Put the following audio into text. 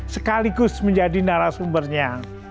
sekaligus menjadi narasumbernya